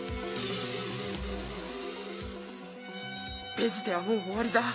ペジテはもう終わりだ。